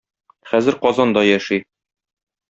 Хәзер Казанда яши.